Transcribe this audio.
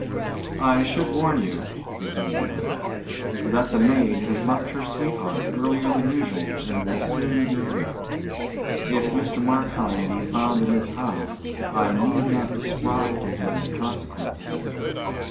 "I should warn you," resumed the other, "that the maid has left her sweetheart earlier than usual and will soon be here. If Mr. Markheim be found in this house, I need not describe to him the consequences."